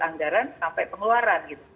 anggaran sampai pengeluaran